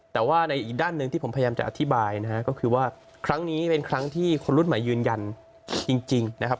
แต่ว่าในอีกด้านหนึ่งที่ผมพยายามจะอธิบายนะฮะก็คือว่าครั้งนี้เป็นครั้งที่คนรุ่นใหม่ยืนยันจริงนะครับ